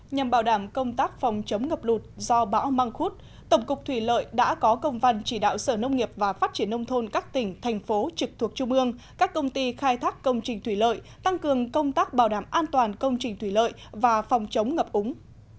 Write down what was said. nhằm bảo đảm công tác phòng chống ngập lụt do bão mang khuất tổng cục thủy lợi đã có công văn chỉ đạo sở nông nghiệp và phát triển nông thôn các tỉnh thành phố trực thuộc trung ương các công ty khai thác công trình thủy lợi tăng cường công tác bảo đảm an toàn công trình thủy lợi và phòng chống ngập úng